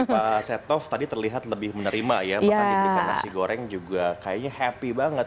pak setnov tadi terlihat lebih menerima ya makan diberikan nasi goreng juga kayaknya happy banget